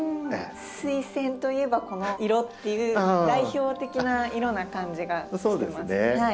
スイセンといえばこの色っていう代表的な色な感じがしてます。